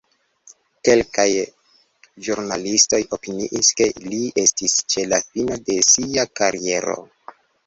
Kelkaj ĵurnalistoj opiniis, ke li estis ĉe la fino de sia kariero.